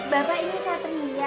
bapak ini satria